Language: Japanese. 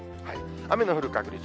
雨の降る確率。